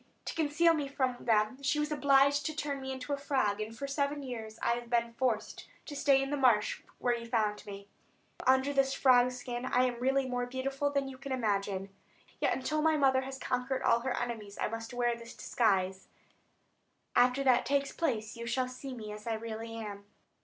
To conceal me from them she was obliged to turn me into a frog; and for seven years I have been forced to stay in the marsh where you found me. But under this frog skin I am really more beautiful than you can imagine; yet until my mother has conquered all her enemies I must wear this disguise; after that takes place you shall see me as I really am."